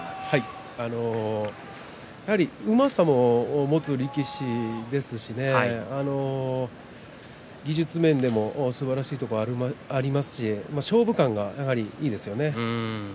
うまさも持つ力士ですし技術面でもすばらしいところがありますし勝負勘がいいですよね。